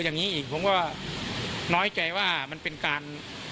น้อยใจว่ามันเป็นการ